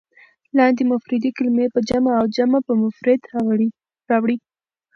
لاندې مفردې کلمې په جمع او جمع په مفرد راوړئ.